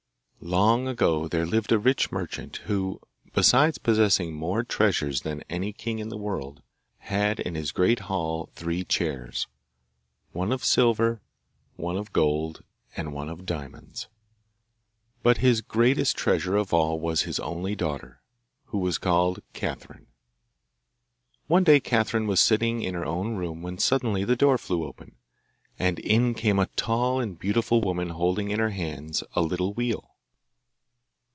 Long ago there lived a rich merchant who, besides possessing more treasures than any king in the world, had in his great hall three chairs, one of silver, one of gold, and one of diamonds. But his greatest treasure of all was his only daughter, who was called Catherine. One day Catherine was sitting in her own room when suddenly the door flew open, and in came a tall and beautiful woman holding in her hands a little wheel.